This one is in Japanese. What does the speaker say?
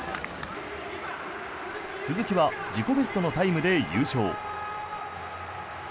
鈴木は自己ベストのタイムで優勝。